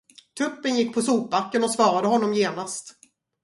Tuppen gick på sopbacken och svarade honom genast.